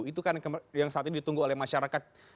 itu kan yang saat ini ditunggu oleh masyarakat